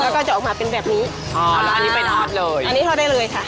แล้วก็จะออกมาเป็นแบบนี้อ๋อแล้วอันนี้ไปทอดเลยอันนี้ทอดได้เลยค่ะ